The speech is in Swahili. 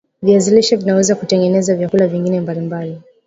Viazi lishe vinaweza kutengeneza vyakula vingine mbali mbali